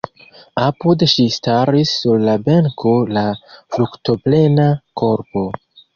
Apud ŝi staris sur la benko la fruktoplena korpo.